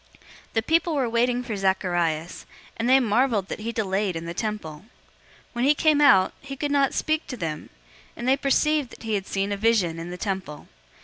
001:021 The people were waiting for Zacharias, and they marveled that he delayed in the temple. 001:022 When he came out, he could not speak to them, and they perceived that he had seen a vision in the temple.